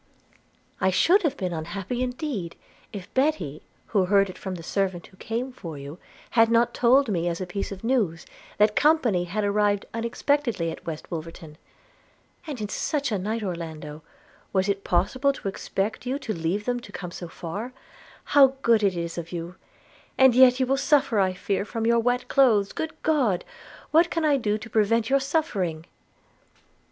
'I should have been unhappy indeed, if Betty, who heard it from the servant who came for you, had not told me as a piece of news, that company had arrived unexpectedly at West Wolverton. – And in such a night, Orlando, was it possible to expect you could leave them to come so far? How good it is of you! – and yet you will suffer, I fear, from your wet clothes. Good God! what can I do to prevent your suffering?'